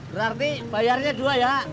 berarti bayarnya dua ya